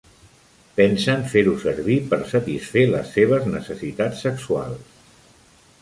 Pensen fer-ho servir per satisfer les seves necessitats sexuals.